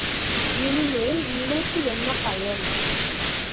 இனிமேல் நினைத்து என்ன பயன்?